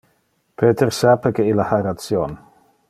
Peter sape que ille ha ration.